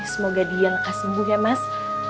semoga dia gak sembuh ya mas